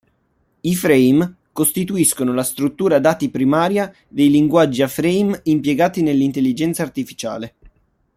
I frame costituiscono la struttura dati primaria dei linguaggi a frame impiegati nell'intelligenza artificiale.